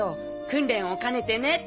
訓練を兼ねてね。